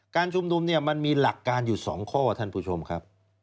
การชุมนุมเนี่ยมันมีหลักการอยู่๒ข้อท่านผู้ชมครับ